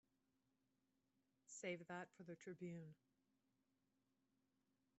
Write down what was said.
Save that for the Tribune.